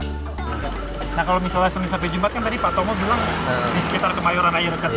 nah kalau misalnya selesai sampai jembat kan tadi pak tomo bilang di sekitar kemayoran aja dekat dekat ya